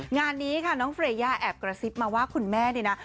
งานนี้ค่ะน้องเฟรย่าแอบกระซิบมาว่าคุณแม่เนี่ยนะ